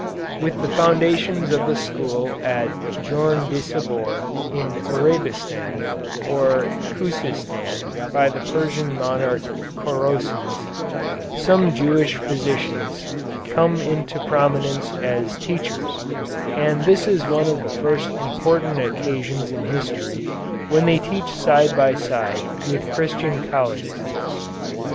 With the foundation of the school at Djondisabour in Arabistan or Khusistan by the Persian monarch Chosroes, some Jewish physicians come into prominence as teachers, and this is one of the first important occasions in history when they teach side by side with Christian colleagues.